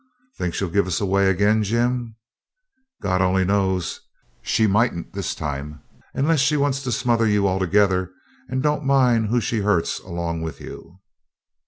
'Think she'll give us away again, Jim?' 'God only knows. She mightn't this time, unless she wants to smother you altogether, and don't mind who she hurts along with you.'